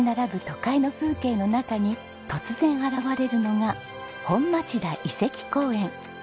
都会の風景の中に突然現れるのが本町田遺跡公園。